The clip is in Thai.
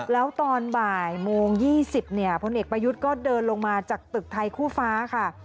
แล้วตอนบ่ายโมง๒๐เนี่ยพลเอกประยุทธ์ก็เดินลงมาจากตึกไทยคู่ฟ้าค่ะ